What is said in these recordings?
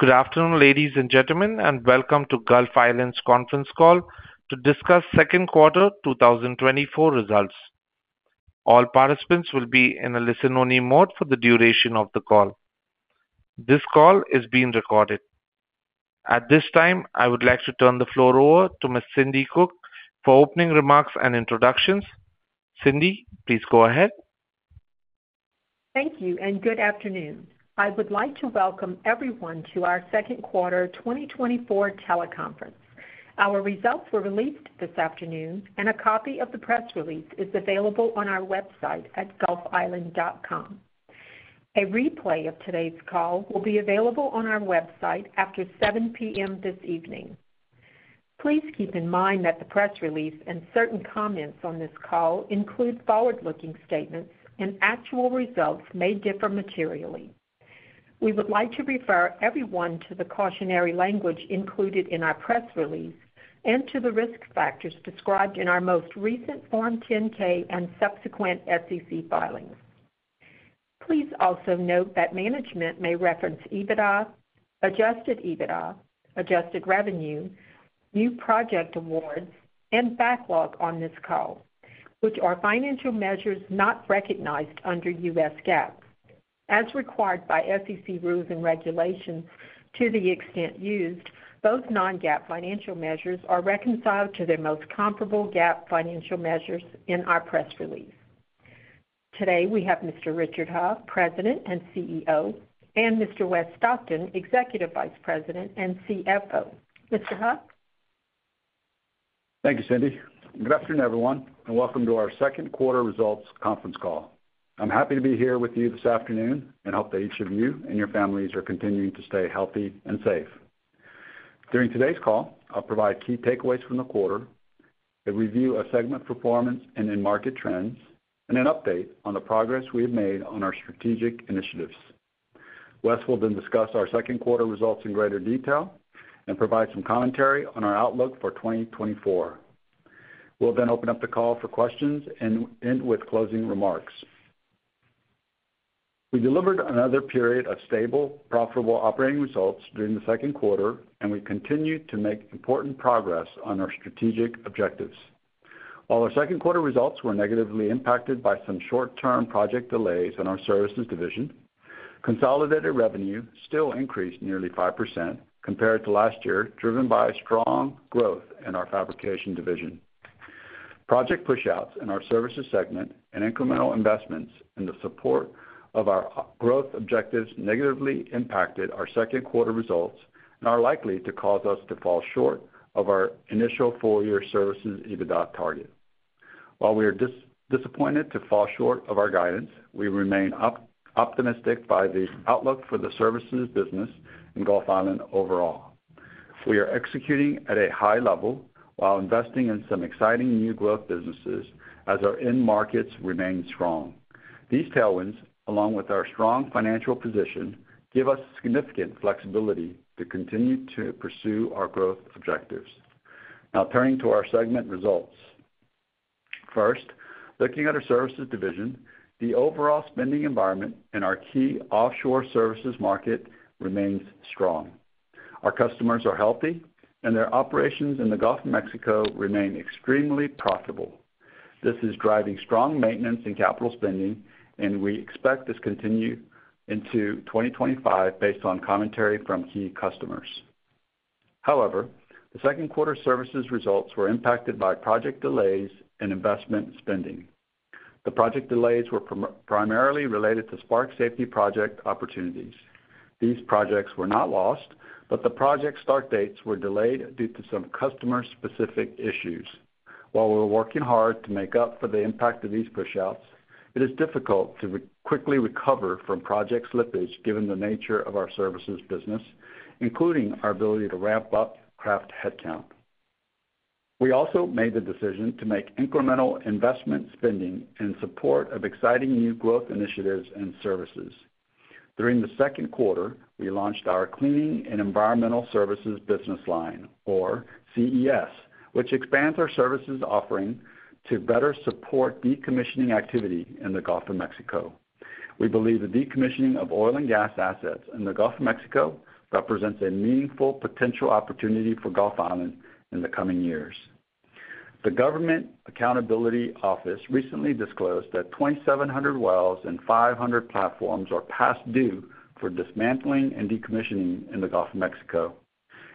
Good afternoon, ladies and gentlemen, and welcome to Gulf Island's conference call to discuss second quarter 2024 results. All participants will be in a listen-only mode for the duration of the call. This call is being recorded. At this time, I would like to turn the floor over to Ms. Cindi Cook for opening remarks and introductions. Cindi, please go ahead. Thank you, and good afternoon. I would like to welcome everyone to our second quarter 2024 teleconference. Our results were released this afternoon, and a copy of the press release is available on our website at gulfisland.com. A replay of today's call will be available on our website after 7 P.M. this evening. Please keep in mind that the press release and certain comments on this call include forward-looking statements, and actual results may differ materially. We would like to refer everyone to the cautionary language included in our press release and to the risk factors described in our most recent Form 10-K and subsequent SEC filings. Please also note that management may reference EBITDA, adjusted EBITDA, adjusted revenue, new project awards, and backlog on this call, which are financial measures not recognized under U.S. GAAP. As required by SEC rules and regulations, to the extent used, both non-GAAP financial measures are reconciled to their most comparable GAAP financial measures in our press release. Today, we have Mr. Richard Heo, President and CEO, and Mr. Wes Stockton, Executive Vice President and CFO. Mr. Heo? Thank you, Cindi. Good afternoon, everyone, and welcome to our second quarter results conference call. I'm happy to be here with you this afternoon and hope that each of you and your families are continuing to stay healthy and safe. During today's call, I'll provide key takeaways from the quarter, a review of segment performance and end market trends, and an update on the progress we have made on our strategic initiatives. Wes will then discuss our second quarter results in greater detail and provide some commentary on our outlook for 2024. We'll then open up the call for questions and end with closing remarks. We delivered another period of stable, profitable operating results during the second quarter, and we continued to make important progress on our strategic objectives. While our second quarter results were negatively impacted by some short-term project delays in our services division, consolidated revenue still increased nearly 5% compared to last year, driven by strong growth in our fabrication division. Project pushouts in our services segment and incremental investments in the support of our growth objectives negatively impacted our second quarter results and are likely to cause us to fall short of our initial full-year services EBITDA target. While we are disappointed to fall short of our guidance, we remain optimistic about the outlook for the services business in Gulf Island overall. We are executing at a high level while investing in some exciting new growth businesses as our end markets remain strong. These tailwinds, along with our strong financial position, give us significant flexibility to continue to pursue our growth objectives. Now turning to our segment results. First, looking at our services division, the overall spending environment in our key offshore services market remains strong. Our customers are healthy, and their operations in the Gulf of Mexico remain extremely profitable. This is driving strong maintenance and capital spending, and we expect this to continue into 2025 based on commentary from key customers. However, the second quarter services results were impacted by project delays and investment spending. The project delays were primarily related to Spark Safety project opportunities. These projects were not lost, but the project start dates were delayed due to some customer-specific issues. While we're working hard to make up for the impact of these pushouts, it is difficult to quickly recover from project slippage given the nature of our services business, including our ability to ramp up craft headcount. We also made the decision to make incremental investment spending in support of exciting new growth initiatives and services. During the second quarter, we launched our Cleaning and Environmental Services business line, or CES, which expands our services offering to better support decommissioning activity in the Gulf of Mexico. We believe the decommissioning of oil and gas assets in the Gulf of Mexico represents a meaningful potential opportunity for Gulf Island in the coming years. The Government Accountability Office recently disclosed that 2,700 wells and 500 platforms are past due for dismantling and decommissioning in the Gulf of Mexico.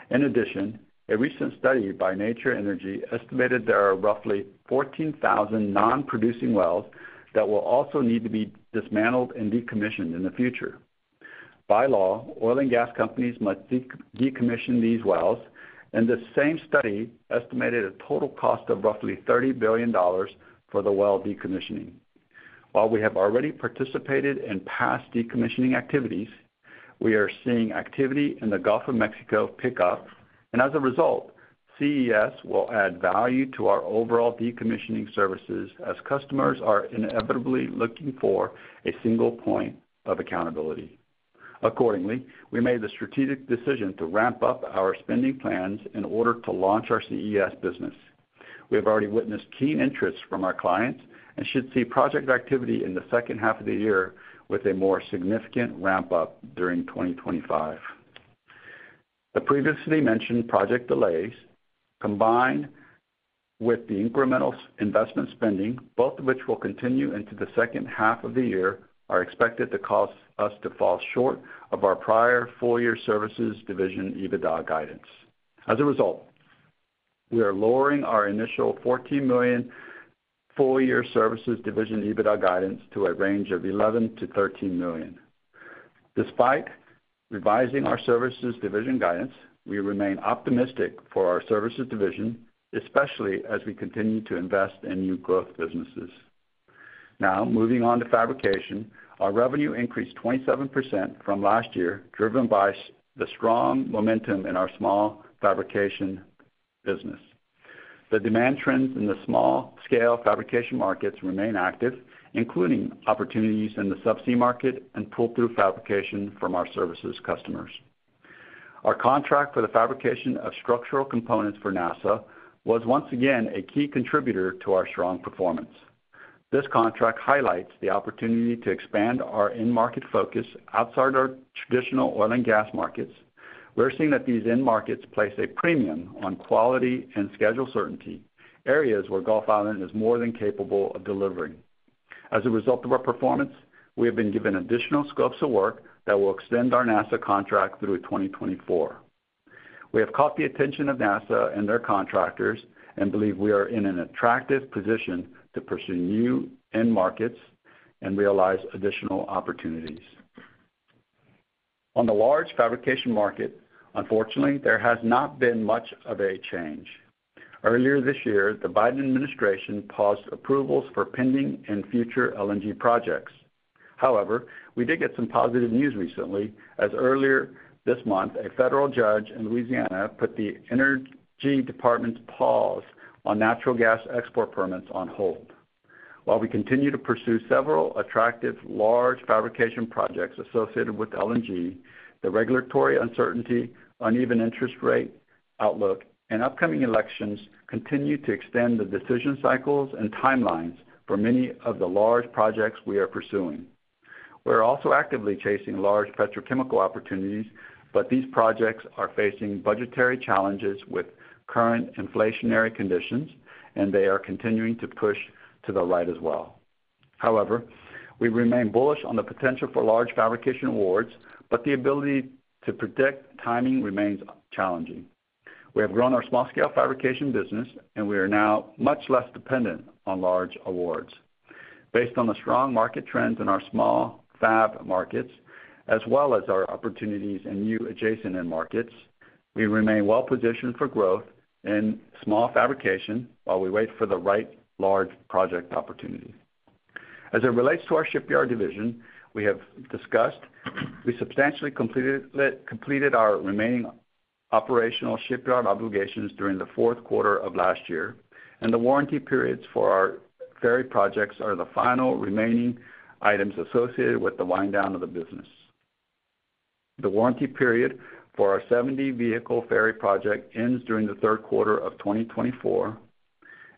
In addition, a recent study by Nature Energy estimated there are roughly 14,000 non-producing wells that will also need to be dismantled and decommissioned in the future. By law, oil and gas companies must decommission these wells, and this same study estimated a total cost of roughly $30 billion for the well decommissioning. While we have already participated in past decommissioning activities, we are seeing activity in the Gulf of Mexico pick up, and as a result, CES will add value to our overall decommissioning services as customers are inevitably looking for a single point of accountability. Accordingly, we made the strategic decision to ramp up our spending plans in order to launch our CES business. We have already witnessed keen interest from our clients and should see project activity in the second half of the year, with a more significant ramp-up during 2025. The previously mentioned project delays, combined with the incremental investment spending, both of which will continue into the second half of the year, are expected to cause us to fall short of our prior full-year services division EBITDA guidance. As a result, we are lowering our initial $14 million full-year services division EBITDA guidance to a range of $11 million-$13 million. Despite revising our services division guidance, we remain optimistic for our services division, especially as we continue to invest in new growth businesses. Now, moving on to fabrication. Our revenue increased 27% from last year, driven by the strong momentum in our small fabrication business. The demand trends in the small-scale fabrication markets remain active, including opportunities in the subsea market and pull-through fabrication from our services customers. Our contract for the fabrication of structural components for NASA was once again a key contributor to our strong performance. This contract highlights the opportunity to expand our end market focus outside our traditional oil and gas markets. We're seeing that these end markets place a premium on quality and schedule certainty, areas where Gulf Island is more than capable of delivering. As a result of our performance, we have been given additional scopes of work that will extend our NASA contract through 2024. We have caught the attention of NASA and their contractors and believe we are in an attractive position to pursue new end markets and realize additional opportunities. On the large fabrication market, unfortunately, there has not been much of a change. Earlier this year, the Biden administration paused approvals for pending and future LNG projects. However, we did get some positive news recently, as earlier this month, a federal judge in Louisiana put the Energy Department's pause on natural gas export permits on hold. While we continue to pursue several attractive large fabrication projects associated with LNG, the regulatory uncertainty, uneven interest rate outlook, and upcoming elections continue to extend the decision cycles and timelines for many of the large projects we are pursuing. We're also actively chasing large petrochemical opportunities, but these projects are facing budgetary challenges with current inflationary conditions, and they are continuing to push to the right as well. However, we remain bullish on the potential for large fabrication awards, but the ability to predict timing remains challenging. We have grown our small-scale fabrication business, and we are now much less dependent on large awards. Based on the strong market trends in our small fab markets, as well as our opportunities in new adjacent end markets, we remain well positioned for growth in small fabrication while we wait for the right large project opportunity. As it relates to our shipyard division, we substantially completed our remaining operational shipyard obligations during the fourth quarter of last year, and the warranty periods for our ferry projects are the final remaining items associated with the wind down of the business. The warranty period for our 70-vehicle ferry project ends during the third quarter of 2024.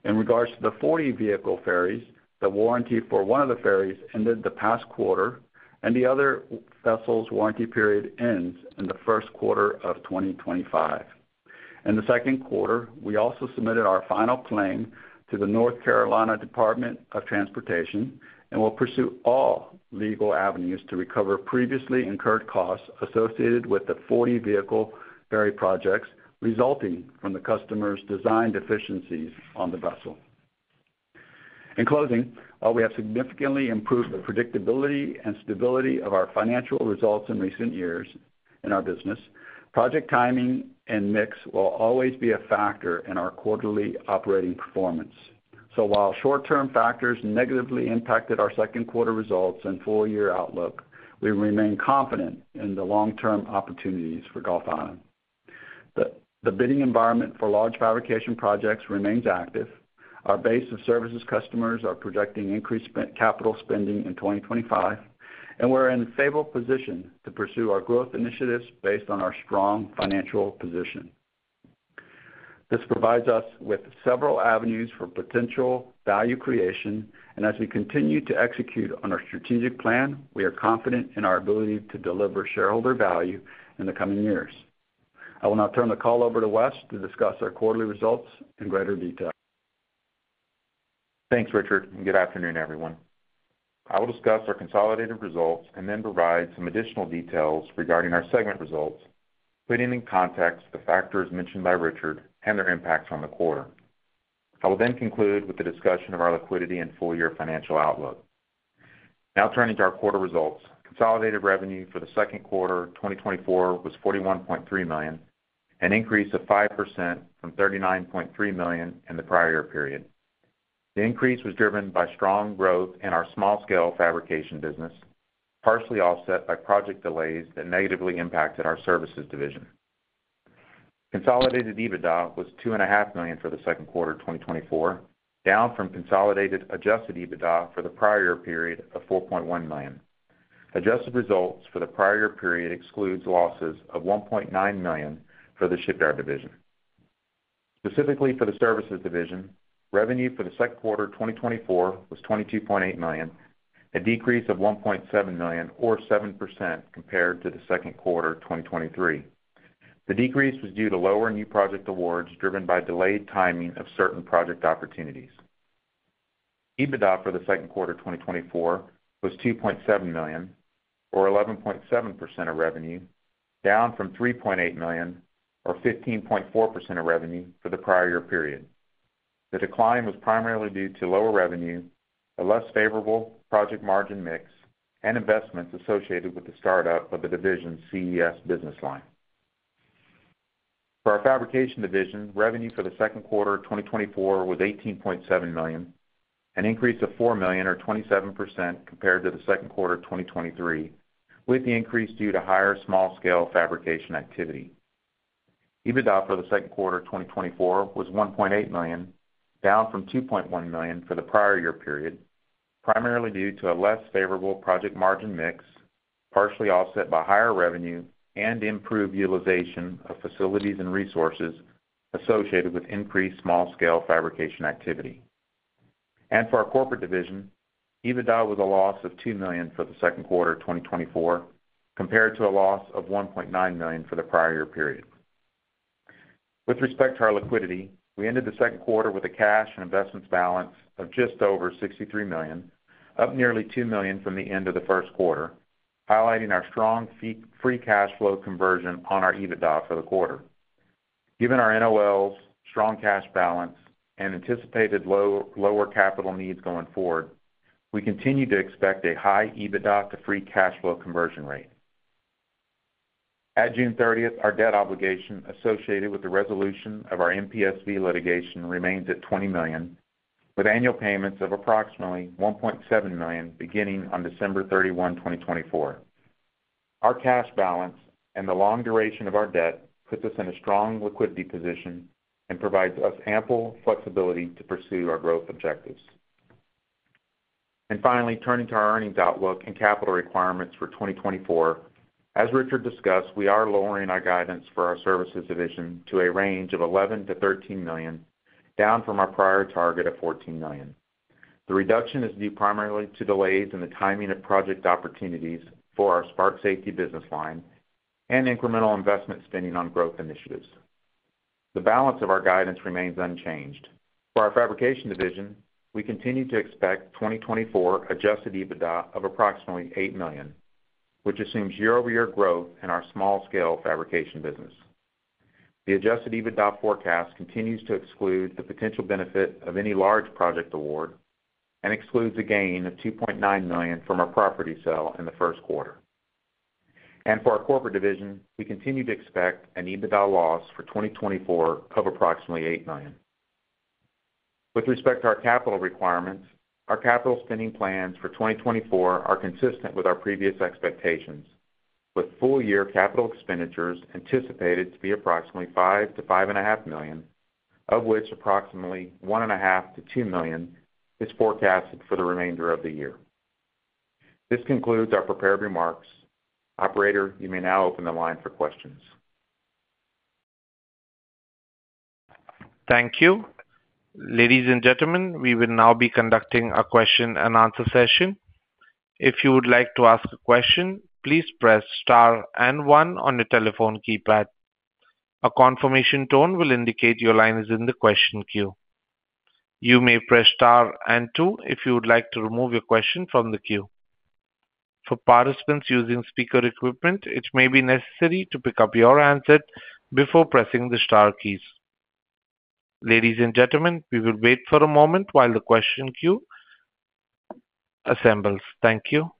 In regards to the 40-vehicle ferries, the warranty for one of the ferries ended the past quarter, and the other vessel's warranty period ends in the first quarter of 2025. In the second quarter, we also submitted our final claim to the North Carolina Department of Transportation and will pursue all legal avenues to recover previously incurred costs associated with the 40-vehicle ferry projects, resulting from the customer's design deficiencies on the vessel. In closing, while we have significantly improved the predictability and stability of our financial results in recent years in our business, project timing and mix will always be a factor in our quarterly operating performance. So while short-term factors negatively impacted our second quarter results and full-year outlook, we remain confident in the long-term opportunities for Gulf Island. The bidding environment for large fabrication projects remains active, our base of services customers are projecting increased capital spending in 2025, and we're in a favorable position to pursue our growth initiatives based on our strong financial position. This provides us with several avenues for potential value creation, and as we continue to execute on our strategic plan, we are confident in our ability to deliver shareholder value in the coming years. I will now turn the call over to Wes to discuss our quarterly results in greater detail. Thanks, Richard, and good afternoon, everyone. I will discuss our consolidated results and then provide some additional details regarding our segment results, putting in context the factors mentioned by Richard and their impacts on the quarter. I will then conclude with a discussion of our liquidity and full-year financial outlook. Now turning to our quarter results. Consolidated revenue for the second quarter 2024 was $41.3 million, an increase of 5% from $39.3 million in the prior period. The increase was driven by strong growth in our small-scale fabrication business, partially offset by project delays that negatively impacted our services division. Consolidated EBITDA was $2.5 million for the second quarter of 2024, down from consolidated adjusted EBITDA for the prior period of $4.1 million. Adjusted results for the prior year period excludes losses of $1.9 million for the shipyard division. Specifically for the services division, revenue for the second quarter of 2024 was $22.8 million, a decrease of $1.7 million, or 7% compared to the second quarter of 2023. The decrease was due to lower new project awards, driven by delayed timing of certain project opportunities. EBITDA for the second quarter of 2024 was $2.7 million, or 11.7% of revenue, down from $3.8 million, or 15.4% of revenue for the prior year period. The decline was primarily due to lower revenue, a less favorable project margin mix, and investments associated with the startup of the division's CES business line. For our fabrication division, revenue for the second quarter of 2024 was $18.7 million, an increase of $4 million, or 27% compared to the second quarter of 2023, with the increase due to higher small-scale fabrication activity. EBITDA for the second quarter of 2024 was $1.8 million, down from $2.1 million for the prior year period, primarily due to a less favorable project margin mix, partially offset by higher revenue and improved utilization of facilities and resources associated with increased small-scale fabrication activity. For our corporate division, EBITDA was a loss of $2 million for the second quarter of 2024, compared to a loss of $1.9 million for the prior year period. With respect to our liquidity, we ended the second quarter with a cash and investments balance of just over $63 million, up nearly $2 million from the end of the first quarter, highlighting our strong free cash flow conversion on our EBITDA for the quarter. Given our NOLs, strong cash balance, and anticipated lower capital needs going forward, we continue to expect a high EBITDA to free cash flow conversion rate. At June thirtieth, our debt obligation associated with the resolution of our MPSV litigation remains at $20 million, with annual payments of approximately $1.7 million beginning on December 31, 2024. Our cash balance and the long duration of our debt puts us in a strong liquidity position and provides us ample flexibility to pursue our growth objectives. Finally, turning to our earnings outlook and capital requirements for 2024. As Richard discussed, we are lowering our guidance for our services division to a range of $11 million-$13 million, down from our prior target of $14 million. The reduction is due primarily to delays in the timing of project opportunities for our Spark Safety business line and incremental investment spending on growth initiatives. The balance of our guidance remains unchanged. For our fabrication division, we continue to expect 2024 Adjusted EBITDA of approximately $8 million, which assumes year-over-year growth in our small-scale fabrication business. The Adjusted EBITDA forecast continues to exclude the potential benefit of any large project award and excludes a gain of $2.9 million from our property sale in the first quarter. For our corporate division, we continue to expect an EBITDA loss for 2024 of approximately $8 million. With respect to our capital requirements, our capital spending plans for 2024 are consistent with our previous expectations, with full-year capital expenditures anticipated to be approximately $5 million-$5.5 million, of which approximately $1.5 million-$2 million is forecasted for the remainder of the year. This concludes our prepared remarks. Operator, you may now open the line for questions. Thank you. Ladies and gentlemen, we will now be conducting a question and answer session. If you would like to ask a question, please press Star and One on your telephone keypad. A confirmation tone will indicate your line is in the question queue. You may press Star and Two if you would like to remove your question from the queue. For participants using speaker equipment, it may be necessary to pick up your handset before pressing the star keys. Ladies and gentlemen, we will wait for a moment while the question queue assembles. Thank you.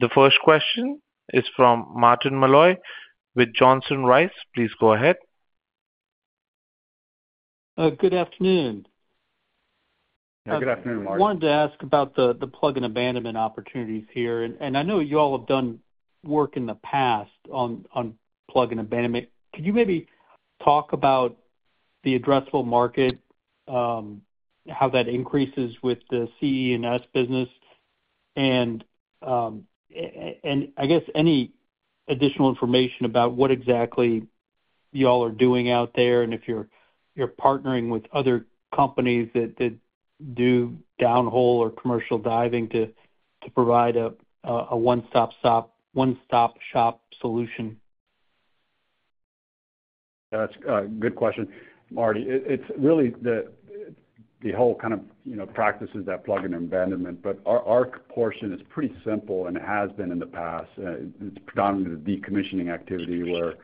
The first question is from Martin Molloy with Johnson Rice. Please go ahead. Good afternoon. Good afternoon, Martin. I wanted to ask about the plug and abandonment opportunities here, and I know you all have done work in the past on plug and abandonment. Could you maybe talk about the addressable market, how that increases with the CES business? And I guess any additional information about what exactly you all are doing out there, and if you're partnering with other companies that do downhole or commercial diving to provide a one-stop shop solution. That's a good question, Marty. It's really the whole kind of, you know, practices that plug and abandonment, but our portion is pretty simple and has been in the past. It's predominantly the decommissioning activity where,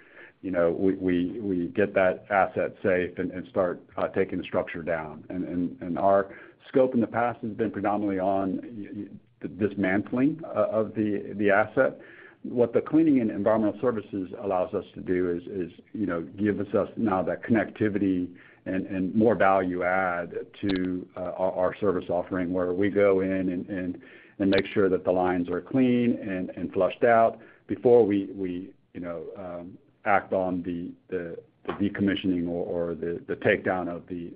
you know, we get that asset safe and start taking the structure down. And our scope in the past has been predominantly on the dismantling of the asset. What the cleaning and environmental services allows us to do is, you know, gives us now that connectivity and more value add to our service offering, where we go in and make sure that the lines are clean and flushed out before we, you know, act on the decommissioning or the takedown of the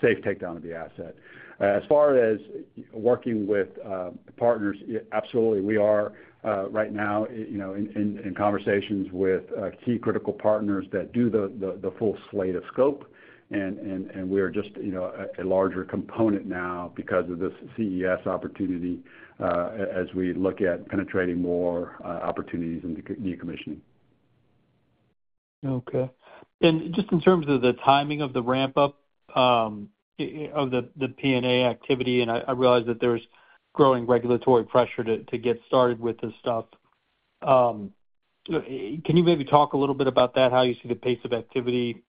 safe takedown of the asset. As far as working with partners, absolutely, we are right now, you know, in conversations with key critical partners that do the full slate of scope, and we are just, you know, a larger component now because of this CES opportunity, as we look at penetrating more opportunities in the decommissioning.... Okay. And just in terms of the timing of the ramp-up of the PNA activity, and I realize that there's growing regulatory pressure to get started with this stuff. Can you maybe talk a little bit about that, how you see the pace of activity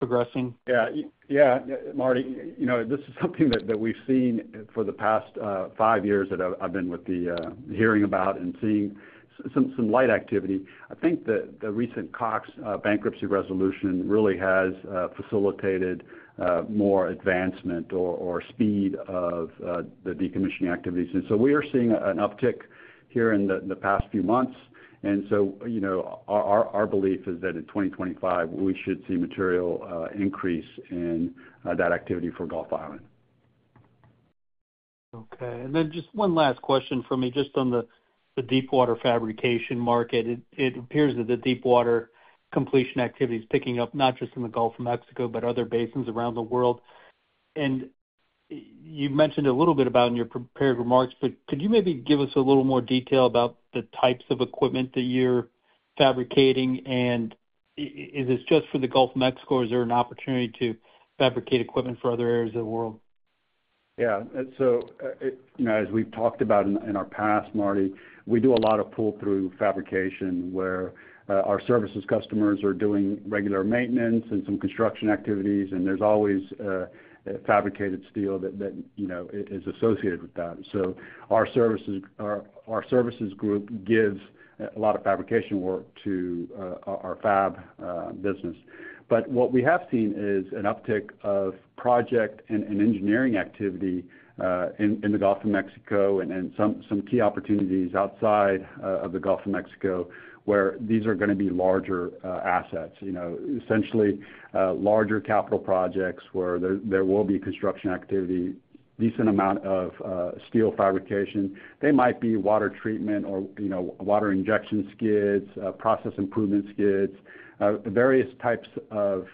progressing? Yeah. Yeah, Marty, you know, this is something that we've seen for the past five years, that I've been with the hearing about and seeing some light activity. I think the recent Cox bankruptcy resolution really has facilitated more advancement or speed of the decommissioning activities. And so we are seeing an uptick here in the past few months. And so, you know, our belief is that in 2025, we should see material increase in that activity for Gulf Island. Okay. And then just one last question for me, just on the deepwater fabrication market. It appears that the deepwater completion activity is picking up, not just in the Gulf of Mexico, but other basins around the world. And you mentioned a little bit about in your prepared remarks, but could you maybe give us a little more detail about the types of equipment that you're fabricating? And is this just for the Gulf of Mexico, or is there an opportunity to fabricate equipment for other areas of the world? Yeah. And so, it, you know, as we've talked about in our past, Marty, we do a lot of pull-through fabrication, where our services customers are doing regular maintenance and some construction activities, and there's always fabricated steel that, you know, is associated with that. So our services group gives a lot of fabrication work to our fab business. But what we have seen is an uptick of project and engineering activity in the Gulf of Mexico, and then some key opportunities outside of the Gulf of Mexico, where these are gonna be larger assets. You know, essentially, larger capital projects where there will be construction activity, decent amount of steel fabrication. They might be water treatment or, you know, water injection skids, process improvement skids, various types of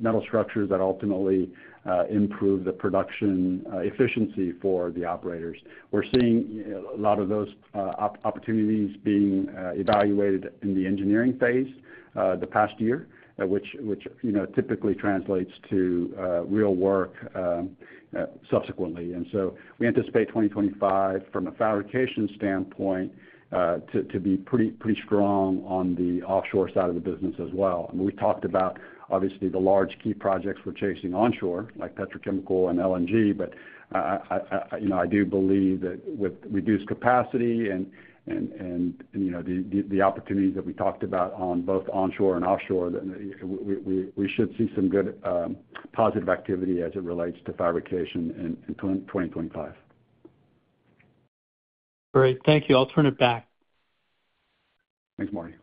metal structures that ultimately improve the production efficiency for the operators. We're seeing a lot of those opportunities being evaluated in the engineering phase the past year, which you know, typically translates to real work subsequently. And so we anticipate 2025, from a fabrication standpoint, to be pretty strong on the offshore side of the business as well. We talked about, obviously, the large key projects we're chasing onshore, like petrochemical and LNG, but, you know, I do believe that with reduced capacity and, you know, the opportunities that we talked about on both onshore and offshore, that we should see some good, positive activity as it relates to fabrication in 2025. Great. Thank you. I'll turn it back. Thanks, Marty.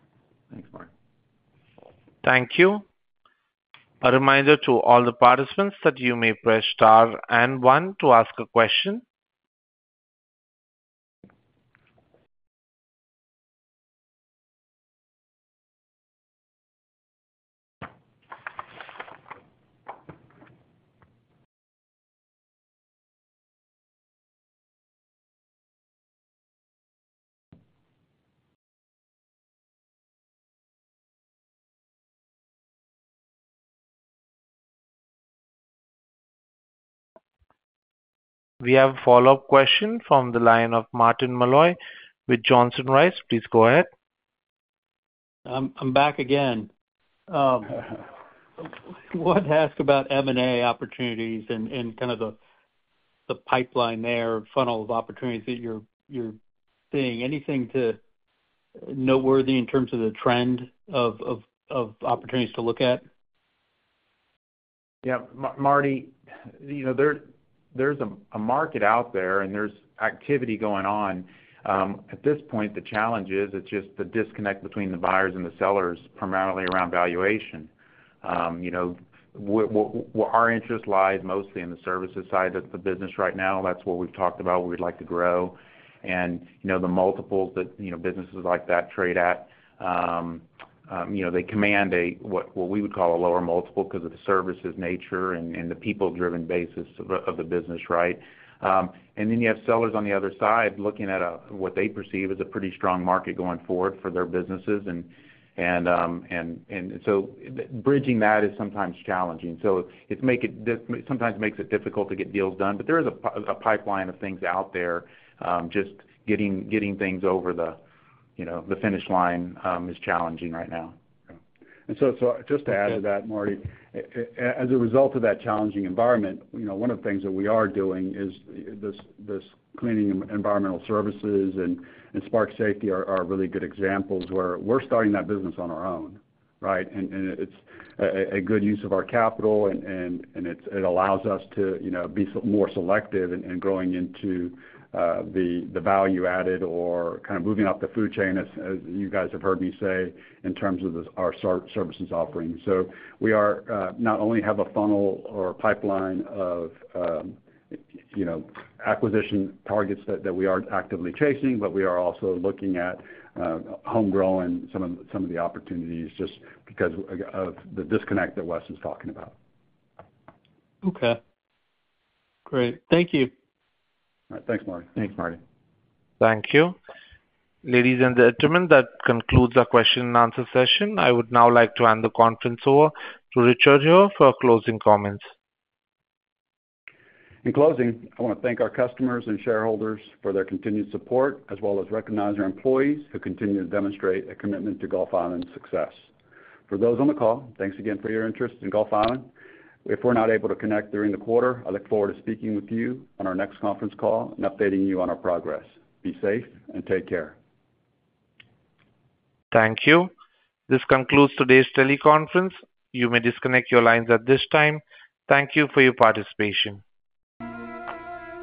Thanks, Marty. Thank you. A reminder to all the participants that you may press star and one to ask a question. We have a follow-up question from the line of Martin Molloy with Johnson Rice. Please go ahead. I'm back again. Wanted to ask about M&A opportunities and kind of the pipeline there, or funnel of opportunities that you're seeing. Anything noteworthy in terms of the trend of opportunities to look at? Yeah, Marty, you know, there, there's a market out there, and there's activity going on. At this point, the challenge is, it's just the disconnect between the buyers and the sellers, primarily around valuation. You know, well, our interest lies mostly in the services side of the business right now. That's what we've talked about, we'd like to grow. And, you know, the multiples that, you know, businesses like that trade at, you know, they command a, what, what we would call a lower multiple because of the services nature and the people-driven basis of the business, right? And then you have sellers on the other side, looking at a, what they perceive as a pretty strong market going forward for their businesses. And so bridging that is sometimes challenging. So this sometimes makes it difficult to get deals done. But there is a pipeline of things out there, just getting things over the, you know, the finish line, is challenging right now. And so just to add to that, Marty, as a result of that challenging environment, you know, one of the things that we are doing is this Cleaning and Environmental Services and Spark Safety are really good examples, where we're starting that business on our own, right? And it's a good use of our capital, and it allows us to, you know, be more selective in going into the value added or kind of moving up the food chain, as you guys have heard me say, in terms of our services offerings. So we are not only have a funnel or pipeline of, you know, acquisition targets that, that we are actively chasing, but we are also looking at home growing some of, some of the opportunities, just because of the disconnect that Wes is talking about. Okay. Great. Thank you. All right. Thanks, Marty. Thanks, Marty. Thank you. Ladies and gentlemen, that concludes our question and answer session. I would now like to hand the conference over to Richard Heo for closing comments. In closing, I want to thank our customers and shareholders for their continued support, as well as recognize our employees, who continue to demonstrate a commitment to Gulf Island's success. For those on the call, thanks again for your interest in Gulf Island. If we're not able to connect during the quarter, I look forward to speaking with you on our next conference call and updating you on our progress. Be safe and take care. Thank you. This concludes today's teleconference. You may disconnect your lines at this time. Thank you for your participation.